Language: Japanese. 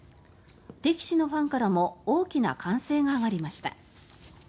敵地のファンからも大きな歓声が上がりました。